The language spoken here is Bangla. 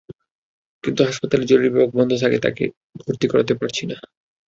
কিন্তু হাসপাতালের জরুরি বিভাগ বন্ধ থাকায় তাঁকে ভর্তি করাতে পারছি না।